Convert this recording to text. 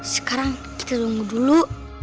sekarang kita tunggu dulu